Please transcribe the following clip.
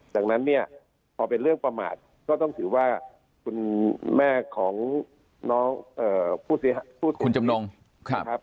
ดังนั้นเนี่ยพอเป็นเรื่องประมาทก็ต้องถือว่าคุณแม่ของน้องคุณจำนงนะครับ